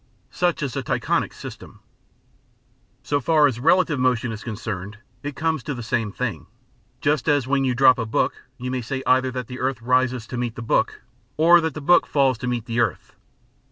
Such is the Tychonic system. So far as relative motion is concerned it comes to the same thing; just as when you drop a book you may say either that the earth rises to meet the book, or that the book falls to meet the earth.